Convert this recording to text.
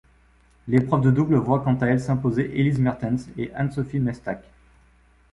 L'épreuve de double voit quant à elle s'imposer Elise Mertens et An-Sophie Mestach.